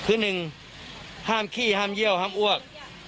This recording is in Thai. คือหนึ่งห้ามขี้ห้ามเยี่ยวห้ามอ้วก